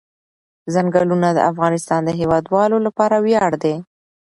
ځنګلونه د افغانستان د هیوادوالو لپاره ویاړ دی.